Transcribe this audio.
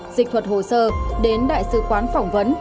dịch thuật hồ sơ đến đại sứ quán phỏng vấn